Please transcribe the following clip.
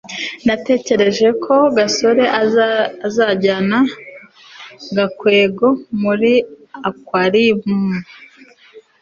natekereje ko gasore azajyana gakwego muri aquarium